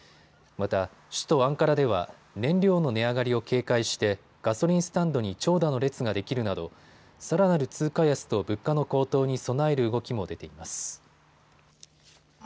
また首都アンカラでは燃料の値上がりを警戒してガソリンスタンドに長蛇の列ができるなどさらなる通貨安と物価の高騰に備える動きも出ています。